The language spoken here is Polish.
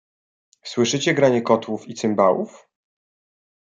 "Słyszycie granie kotłów i cymbałów?"